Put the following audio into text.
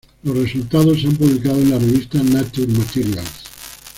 Los resultados se han publicado en la revista "Nature Materials.